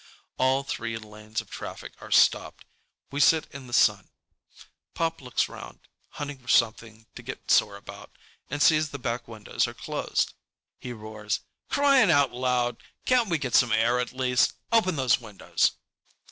All three lanes of traffic are stopped. We sit in the sun. Pop looks around, hunting for something to get sore about, and sees the back windows are closed. He roars, "Crying out loud, can't we get some air, at least? Open those windows!"